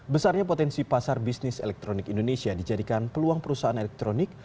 besarnya potensi pasar bisnis elektronik indonesia dijadikan peluang perusahaan elektronik